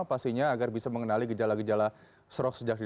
pastinya agar bisa mengenali gejala gejala stroke sejak ini